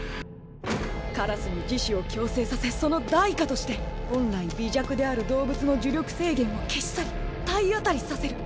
カラスに自死を強制させその代価として本来微弱である動物の呪力制限を消し去り体当たりさせる！